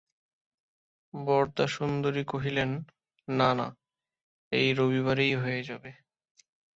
বরদাসুন্দরী কহিলেন, না না, এই রবিবারেই হয়ে যাবে।